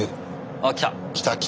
あっ来た。